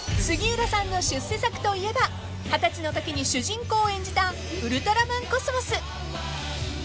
［杉浦さんの出世作といえば二十歳のときに主人公を演じた『ウルトラマンコスモス』］